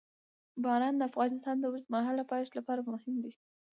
باران د افغانستان د اوږدمهاله پایښت لپاره مهم دی.